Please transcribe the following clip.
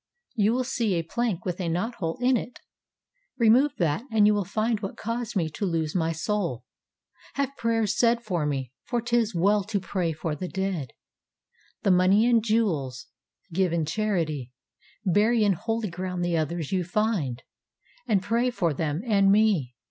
You will see a plank with a knot hole in it. Remove that, and you will find what caused me to lose my soul have prayers said for me, for ŌĆÖtis well to pray for the dead. The money and jewels give in charity; bury in holy ground the others you find, and pray for them and me.